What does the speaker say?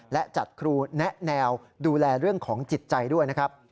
และจัดครูแนะแนวดูแลเรื่องของจิตใจด้วยนะครับ